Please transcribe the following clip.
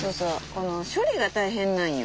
この処理が大変なんよ。